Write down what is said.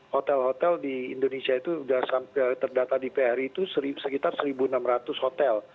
hotel hotel di indonesia itu sudah terdata di phri itu sekitar satu enam ratus hotel